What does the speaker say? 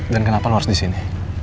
dan kenapa lo harus disini